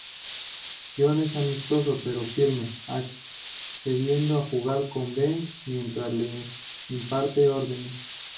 John es amistoso pero firme, accediendo a jugar con Ben, mientras le imparte órdenes.